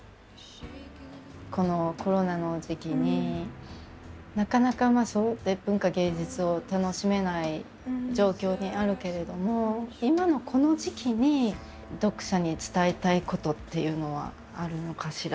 このコロナの時期になかなかそろって文化芸術を楽しめない状況にあるけれども今のこの時期に読者に伝えたいことっていうのはあるのかしら？